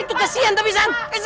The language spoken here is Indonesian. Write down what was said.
itu kasihan tapi san